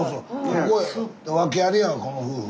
ここ訳ありやこの夫婦。